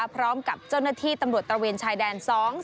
พร้อมกับเจ้าหน้าที่ตำรวจตระเวนชายแดน๒